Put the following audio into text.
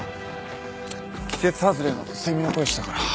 季節外れのセミの声したから。